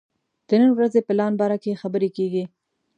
د نن ورځې پلان باره کې خبرې کېږي.